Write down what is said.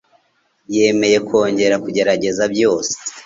yemeye kongera kugerageza byose